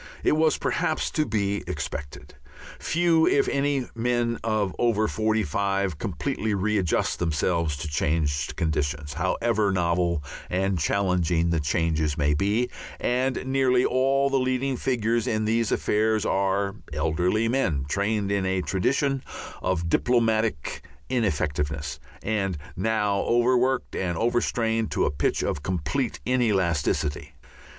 It was perhaps to be expected. Few, if any, men of over five and forty completely readjust themselves to changed conditions, however novel and challenging the changes may be, and nearly all the leading figures in these affairs are elderly men trained in a tradition of diplomatic ineffectiveness, and now overworked and overstrained to a pitch of complete inelasticity.